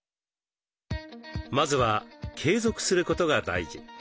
まずは継続することが大事。